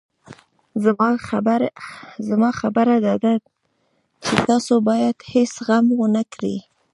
زما خبره داده چې تاسو بايد هېڅ غم ونه کړئ.